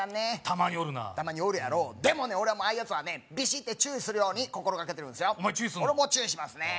たまにおるなたまにおるやろでもね俺はああいうやつはねビシッて注意するように心掛けてるんですよお前注意すんの？